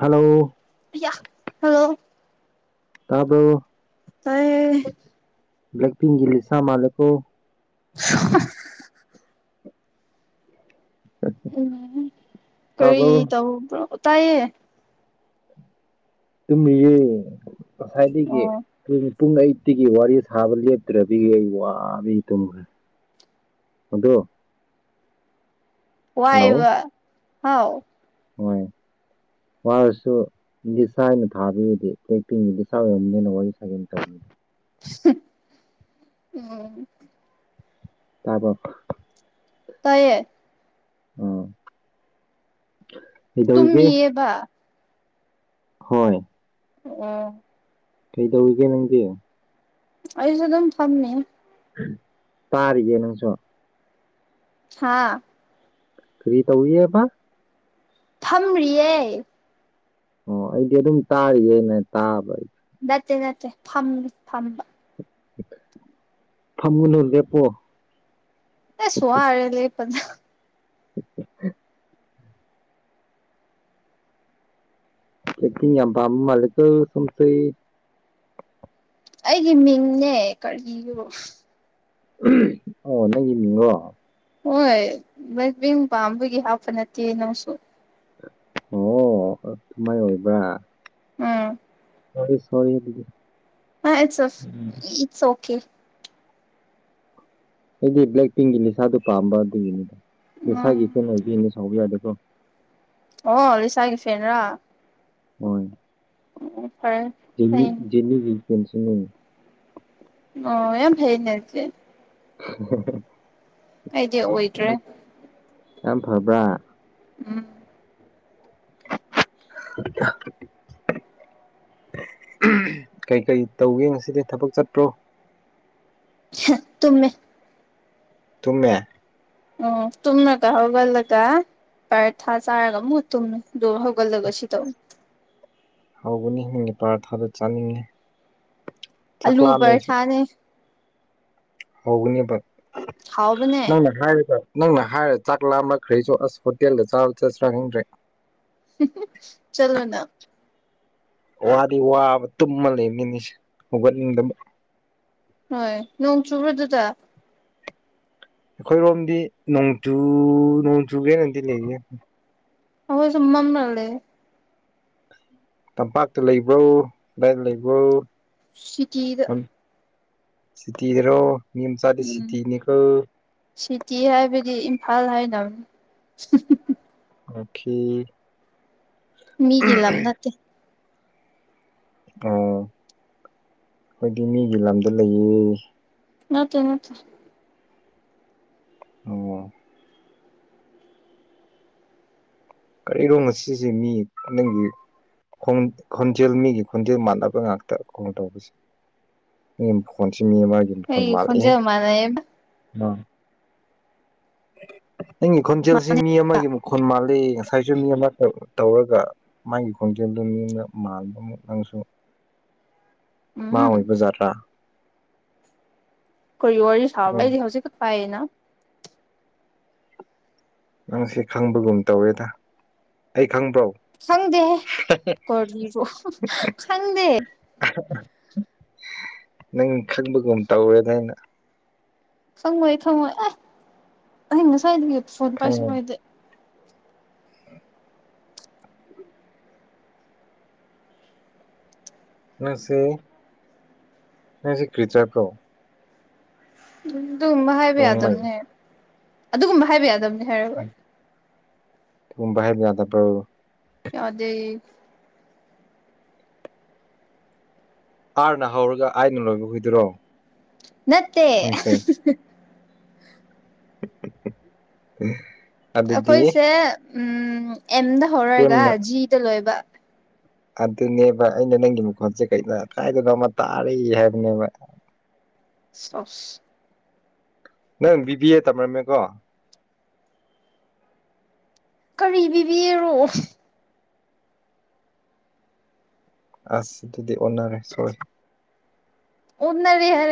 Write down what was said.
Hello ꯑꯌꯥ hello ꯇꯥꯕꯔꯣ ꯇꯥꯌꯦ ꯕ꯭ꯂꯦꯛ ꯄꯤꯡꯒꯤ ꯂꯤꯁꯥ ꯃꯥꯜꯂꯦꯀꯣ [unintelligible] ꯎꯝꯍꯨꯝ ꯀꯔꯤ ꯇꯥꯕ꯭ꯔꯣ ꯇꯧꯕ꯭ꯔꯣ ꯇꯥꯏꯌꯦ ꯇꯝꯃꯤ ꯌꯦ ꯉꯁꯥꯏꯗꯒꯤ ꯑꯣ ꯄꯨꯡ ꯑꯌꯨꯠꯇꯥꯒꯤ ꯋꯥꯔꯤ ꯁꯥꯕ ꯂꯦꯞꯇ꯭ꯔꯕꯤ ꯑꯩ ꯋꯥꯕꯒꯤ ꯇꯨꯝꯈ꯭ꯔꯦ ꯑꯗꯣ꯫ ꯍꯜꯂꯣ ꯋꯥꯌꯦꯕ ꯍꯥꯎ꯫ ꯍꯣꯏ ꯋꯥꯔꯁꯨ꯫ ꯂꯤꯗꯤꯁꯥꯅ ꯊꯥꯕꯤꯔꯗꯤ ꯕꯦꯂꯦꯛ ꯄꯤꯡꯀꯤ ꯂꯤꯁ ꯑꯣꯏꯔꯝꯅꯤꯅ ꯋꯥꯔꯤ ꯁꯥꯒꯦ ꯇꯧꯕꯅꯤ꯫ ꯎꯝ꯫ ꯇꯕꯔꯣ꯫ ꯇꯌꯦ꯫ ꯎꯝ꯫ ꯇꯨꯝꯃꯤꯌꯦꯕ꯫ ꯍꯣꯏ꯫ ꯑꯣ꯫ ꯀꯩꯗꯧꯔꯤꯒꯦ ꯅꯪꯗꯤ꯫ ꯑꯩꯁꯨ ꯑꯗꯨꯝ ꯐꯝꯃꯤ꯫ ꯇꯥꯔꯤꯌꯦ ꯅꯪꯁꯣ꯫ ꯍꯥꯥ꯫ ꯀꯔꯤ ꯇꯧꯔꯤꯌꯦꯕ꯫ ꯊꯝꯔꯤꯌꯦ꯫ ꯑꯣ ꯑꯩꯗꯤ ꯑꯗꯨꯝ ꯇꯥꯔꯤꯌꯦꯅ ꯇꯥꯕ ꯑꯩ꯫ ꯅꯠꯇꯦ ꯅꯠꯇꯦ ꯐꯝꯃꯤ ꯐꯝꯕ꯫ ꯐꯝꯃꯨꯅꯨ ꯂꯦꯞꯄꯣ꯫ ꯑꯦꯁ ꯋꯥꯔꯦ ꯂꯦꯞꯄꯗ꯫ [unintelligible] ꯃꯥꯂꯦꯀꯣ ꯁꯣꯝꯁꯦ ꯑꯩꯒꯤ ꯃꯤꯡꯅꯦ ꯀꯔꯤ ꯑꯣ ꯅꯪꯒꯤ ꯃꯤꯡꯔꯣ ꯍꯣꯏ [unintelligible] ꯄꯥꯝꯕꯒꯤ ꯍꯥꯞꯄ ꯅꯠꯇꯦ ꯅꯪꯁꯨ ꯑꯣ ꯁꯨꯃꯥꯏ ꯑꯣꯏꯕ꯭ꯔꯥ ꯎꯝ ꯐꯔꯦ ꯐꯔꯦ ꯑꯗꯨꯗꯤ ꯏꯠ ꯎꯝ ꯏꯠꯁ ꯑꯣꯀꯦ ꯑꯩꯗꯤ ꯕ꯭ꯂꯦꯛ ꯄꯤꯡꯒꯤ ꯂꯤꯁꯥꯗꯨꯣ ꯄꯥꯝꯕ ꯑꯗꯨꯒꯤꯅꯤꯗ ꯎꯝ ꯂꯩꯁꯥꯒꯤ ꯏꯐꯦꯟ ꯑꯣꯏꯕꯤꯅꯦ ꯁꯥꯎꯕ ꯌꯥꯗꯦꯀꯣ ꯑꯣ ꯂꯤꯁꯥꯒꯤ ꯐꯦꯟꯔꯥ ꯍꯣꯏ [unintelligible] ꯐꯔꯦ ꯐꯩꯅꯦ [unintelligible] ꯑꯣ ꯌꯥꯝ ꯐꯩꯑꯅꯦ [unintelligible] [unintelligible] ꯑꯩꯗꯤ ꯑꯣꯏꯗ꯭ꯔꯦ ꯌꯥꯝ ꯐꯕ꯭ꯔꯥ ꯎꯝ [unintelligible] ꯀꯩ ꯀꯩ ꯇꯧꯒꯦ ꯉꯁꯤꯗꯤ ꯊꯕꯛ ꯆꯠꯄ꯭ꯔꯣ ꯇꯨꯝꯃꯦ ꯇꯨꯝꯃꯦ ꯑꯣ ꯇꯨꯝꯂꯒ ꯍꯧꯒꯠꯂꯒ ꯄꯔꯊꯥ ꯆꯥꯔꯒ ꯑꯃꯨꯛ ꯇꯨꯝ ꯗꯨ ꯍꯧ ꯍꯒꯅꯤ ꯅꯪꯒꯤ ꯄꯔꯊꯥꯗ ꯆꯥꯅꯤꯡꯉꯦ ꯆꯥꯛ ꯑꯂꯨ ꯂꯥꯝꯃꯦ ꯑꯩꯁꯨ ꯄꯔꯊꯥꯅꯦ ꯍꯧꯒꯅꯦꯕ ꯍꯥꯎꯕꯅꯦ ꯅꯪꯅ ꯍꯥꯏꯔꯒ ꯅꯪꯅ ꯍꯥꯏꯔ ꯆꯥꯛ ꯂꯥꯝꯕꯈ꯭ꯔꯩꯁꯨ ꯑꯁ ꯍꯣꯇꯦꯜꯗ ꯆꯥꯕ ꯆꯠꯁ꯭ꯔꯥ ꯈꯪꯗ꯭ꯔꯦ ꯆꯂꯣꯅ ꯋꯥꯗꯤ ꯋꯥꯕ ꯇꯨꯝꯃ ꯂꯩꯕ ꯅꯦꯁꯦ ꯍꯧꯒꯠꯅꯤꯡꯗꯕ ꯍꯣꯏ ꯅꯣꯡ ꯆꯨꯕ ꯗꯨꯗ ꯈꯣꯏꯔꯣꯝꯗꯤ ꯅꯣꯡꯆꯨ ꯅꯣꯡꯆꯨꯒꯦꯅꯗꯤ ꯂꯩꯒ ꯑ ꯆꯨꯝꯃꯅꯥ ꯂꯩ ꯇꯝꯄꯥꯛꯇ ꯂꯩꯕ꯭ꯔꯧ ꯂꯗꯥꯥꯏ ꯂꯩꯕ꯭ꯔꯧ ꯁꯤꯇꯤꯗ ꯁꯤꯇꯤꯔꯣ ꯅꯤꯡꯅꯤꯌꯝ ꯆꯂꯤ ꯎꯝ ꯁꯤꯇꯅꯤꯀ ꯁꯤꯇꯤ ꯍꯥꯏꯕꯗꯤ ꯏꯝꯐꯥꯜ ꯍꯥꯏꯅꯕ [unintelligible] ꯃꯤꯒꯤ ꯂꯝ ꯅꯠꯇꯦ ꯑꯣ ꯈꯣꯏꯗꯤ ꯃꯤꯒꯤ ꯂꯝꯗ ꯂꯩꯌꯦ ꯅꯠꯇꯦ ꯅꯠꯇꯦ ꯑꯣ ꯀꯔꯤꯔꯣ ꯉꯁꯤꯁꯦ ꯃꯤ ꯗꯪꯒꯤ ꯈꯣꯟꯖꯦꯜ ꯃꯤꯒꯤ ꯈꯣꯟꯖꯦꯜ ꯃꯥꯟꯅꯕ ꯉꯥꯛꯇ ꯈꯣꯡ ꯇꯧꯕꯁꯦ ꯐꯣꯟꯁꯤ ꯃꯤ ꯑꯃꯒꯤꯒꯤ ꯑꯩ ꯈꯣꯟꯖꯦꯜ ꯃꯥꯅꯩꯕ [unintelligible] ꯅꯪꯒꯤ ꯈꯣꯟꯖꯦꯜꯁꯤ ꯃꯤ ꯑꯃꯒꯤ ꯃꯈꯣꯟ ꯃꯥꯜꯂꯤ ꯉꯁꯥꯏ ꯁꯤꯁꯨ ꯃꯤ ꯑꯃꯈꯛ ꯇꯧꯔꯒ ꯃꯥꯒꯤ ꯈꯣꯡꯖꯦꯜꯗꯨ ꯃꯤꯅ ꯃꯥꯟꯕ ꯑꯃꯨꯛ ꯅꯪꯁꯨ [unintelligible] ꯃꯥ ꯎꯝ ꯑꯣꯏꯕ ꯖꯥꯠꯔꯥ ꯀꯔꯤ ꯋꯥꯔꯤ ꯁꯥꯕ꯭ꯔꯥ ꯎꯝ ꯑꯩꯗꯤ ꯍꯧꯖꯤꯛꯀ ꯄꯥꯏꯌꯦꯅ ꯅꯪ ꯁꯤ ꯈꯪꯕꯒꯨꯝ ꯇꯧꯔꯦꯗ ꯑꯩ ꯈꯪꯕ꯭ꯔꯣ ꯈꯪꯗꯦ ꯈꯪꯗꯦ ꯅꯪ ꯈꯪꯕꯒꯨꯝ ꯇꯧꯔꯦꯅ ꯑꯅ ꯈꯪꯉꯣꯏ ꯈꯪꯉꯣꯏ ꯑꯦ ꯑꯍꯤꯡ ꯉꯁ꯭ꯥꯏꯏꯗꯒꯤ ꯐꯣꯟ ꯄꯥꯏꯁꯨ ꯈꯪꯉꯦ ꯄꯥꯏꯗꯦ ꯅ ꯁꯤ ꯅ ꯁꯤ ꯀꯔꯤꯆꯥꯔ ꯄꯣ ꯑꯗꯨꯒꯨꯝꯕ ꯍꯥꯏꯕ ꯔꯣꯡꯃꯩ ꯌꯥꯗꯕꯅꯦ ꯑꯗꯨꯒꯨꯝꯕ ꯍꯥꯏꯕ ꯌꯥꯗꯕꯅꯤ ꯍꯥꯏꯔꯕ ꯨꯝ ꯕꯥꯔ ꯌꯥꯗ ꯄꯣ ꯀ ꯌꯗꯦ ꯑꯥꯔꯅ ꯍꯧꯔꯒ ꯑꯥꯏꯩꯅ ꯂꯣꯏꯕ ꯍꯨꯏꯗꯣꯏꯔꯣ ꯅꯠꯇꯦ ꯎꯝ ꯑꯩꯈꯣꯏꯁꯦ ꯎ ꯑꯦꯝꯗ ꯍꯧꯔꯒ ꯑꯦꯝꯅ ꯖꯤꯗ ꯂꯣꯏꯕ ꯑꯗꯨꯅꯦꯕ ꯑꯩꯅ ꯅꯪꯒꯤ ꯃꯈꯣꯟꯜꯁꯦ ꯀ ꯀꯥꯏꯗꯅ ꯑꯃ ꯇꯥꯔꯤ ꯍꯥꯏꯕꯅꯦꯕ ꯆꯁ ꯅꯪ ꯕꯤꯕꯤ ꯑꯦ ꯇꯝꯔꯝꯃꯦꯀꯣ ꯀꯔꯤ ꯄꯤꯕꯤꯔꯣ ꯑꯁ ꯑꯗꯨꯗꯤ ꯑꯣꯟꯅꯔꯦ ꯁꯣ ꯎꯟꯔꯦ ꯍꯥꯏꯔ